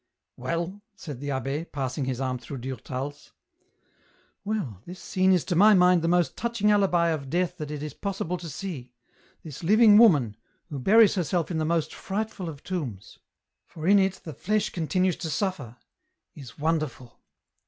" Well?" said the abbd, passing'his arm through Durtal's. *' Well, this scene is to my mind the most touching alibi of death that it is possible to see, this living woman, who buries herself in the most frightful of tombs — for in it the flesh continues to suflfer — is wonderful.